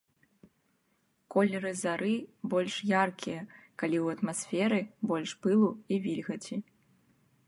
Колеры зары больш яркія, калі ў атмасферы больш пылу і вільгаці.